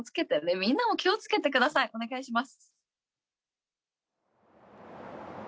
みんなも気をつけてください、お願いします。